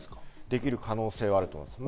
できる可能性はあると思います。